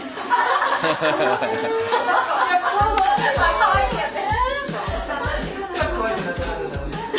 かわいいよね。